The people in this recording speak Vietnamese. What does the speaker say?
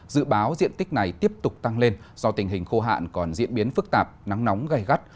dự báo diện tích này tiếp tục tăng lên do tình hình khô hạn còn diễn biến phức tạp nắng nóng gây gắt